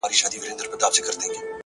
او تاته زما د خپلولو په نيت-